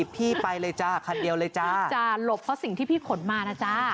พี่ไปเลยจ้าคันเดียวเลยจ้าพี่จ้ะหลบเพราะสิ่งที่พี่ขนมานะจ๊ะ